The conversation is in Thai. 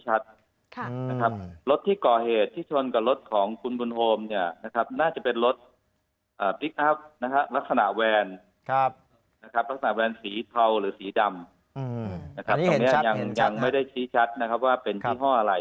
อันนี้เห็นชัดตรงนี้ยังไม่ได้ชี้ชัดว่าเป็นที่ห้ออะไร